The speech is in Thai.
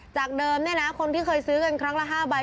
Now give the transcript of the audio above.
จากเดิมคนที่เคยซื้อกันครั้งละ๕ใบ